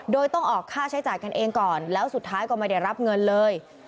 โดยต้องออกค่าใช้จ่ายกันเองก่อนแล้วสุดท้ายก็ไม่ได้รับเงินเลย